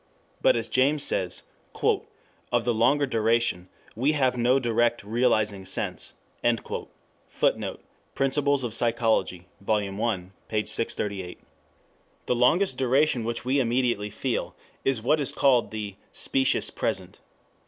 But as James says, "of the longer duration we have no direct 'realizing' sense." [Footnote: Principles of Psychology, Vol. I, p. 638.] The longest duration which we immediately feel is what is called the "specious present."